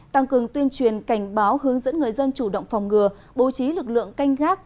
tăng cường tuyên truyền cảnh báo hướng dẫn người dân chủ động phòng ngừa bố trí lực lượng canh gác